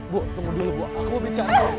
bu tunggu dulu bu aku mau bicara sama